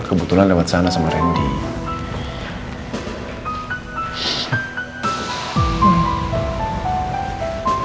kebetulan lewat sana sama randy